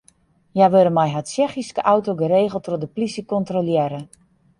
Hja wurde mei har Tsjechyske auto geregeld troch de plysje kontrolearre.